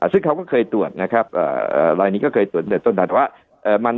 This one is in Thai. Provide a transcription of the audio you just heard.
ซึ่งเขาก็เคยตรวจนะครับลายนี้ก็เคยตรวจตั้งแต่ต้นว่า